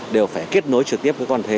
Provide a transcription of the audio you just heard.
đều phải kết nối trực tiếp với cơ quan thuế